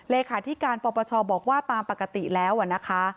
เลขาธิการปปชบอกว่าตามปกติแล้วนะคะ